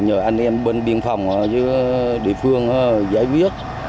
nhờ anh em bên biên phòng ở dưới địa phương giải quyết